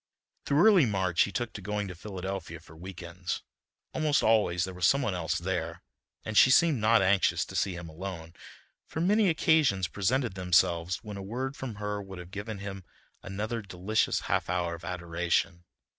Through early March he took to going to Philadelphia for week ends. Almost always there was some one else there and she seemed not anxious to see him alone, for many occasions presented themselves when a word from her would have given him another delicious half hour of adoration.